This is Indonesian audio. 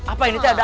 apa ini ada apa